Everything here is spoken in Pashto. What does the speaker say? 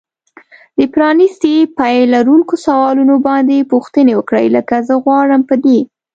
د پرانیستي پای لرونکو سوالونو باندې پوښتنې وکړئ. لکه زه غواړم په دې